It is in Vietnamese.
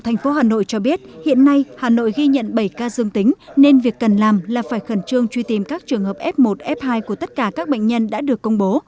thành phố hà nội cho biết hiện nay hà nội ghi nhận bảy ca dương tính nên việc cần làm là phải khẩn trương truy tìm các trường hợp f một f hai của tất cả các bệnh nhân đã được công bố